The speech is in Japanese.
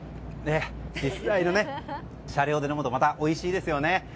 実際の車両で飲むとまたおいしいですよね。